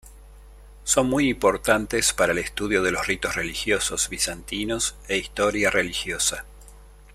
Son muy importantes para el estudio de los ritos religiosos bizantinos e historia religiosa.